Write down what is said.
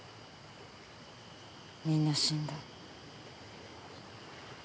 みんな死んだ。